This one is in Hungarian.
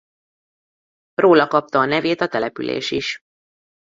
Róla kapta a nevét a település is.